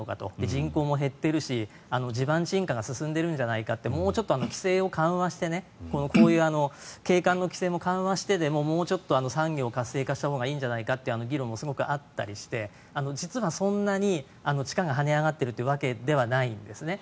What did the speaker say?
人口も減っているし地盤沈下が進んでいるんじゃないかともうちょっと規制を緩和してこういう景観の規制を緩和してでももうちょっと産業を活性化したほうがいいんじゃないかという議論もあったりして実はそんなに地価が跳ね上がっているというわけではないんですね。